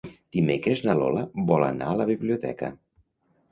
Dimecres na Lola vol anar a la biblioteca.